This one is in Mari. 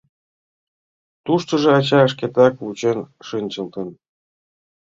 Туштыжо ача шкетак вучен шинчылтын.